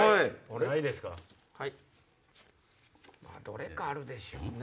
どれかあるでしょ。